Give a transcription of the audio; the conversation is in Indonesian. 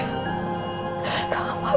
mungkin kalo ternyata demographics